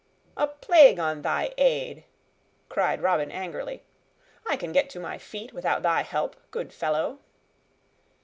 "A plague on thy aid!" cried Robin angrily. "I can get to my feet without thy help, good fellow."